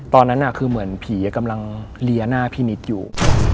ตอนนั้นคือเหมือนผีกำลังเลียหน้าพี่นิดอยู่